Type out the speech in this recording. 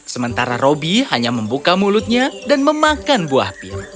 sementara robi hanya membuka mulutnya dan memakan buah pir